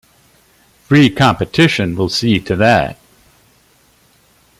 Free competition will see to that.